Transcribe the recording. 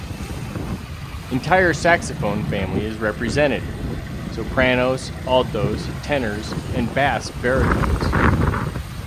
Entire saxophone family is represented: sopranos, altos, tenors and bass baritones.